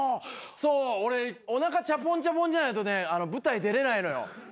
そう俺おなかチャポンチャポンじゃないとね舞台出れないのよ。